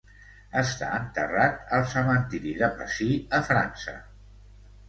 Està enterrat al cementiri de Passy a França.